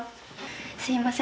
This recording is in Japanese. すいません。